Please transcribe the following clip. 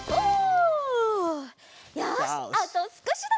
よしあとすこしだ！